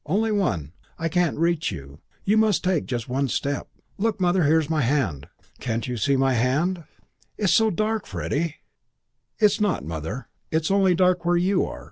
Only one. I can't reach you. You must take just one step. Look, Mother, here's my hand. Can't you see my hand?" "It's so dark, Freddie." "It's not, Mother. It's only dark where you are.